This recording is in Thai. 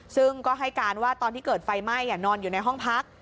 ซึ่งก็ให้การว่าตอนที่เกิดไฟไหม้นอนอยู่ในห้องพัก